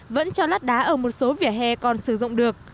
vẫn cho lát đá ở một số vỉa hè còn sử dụng được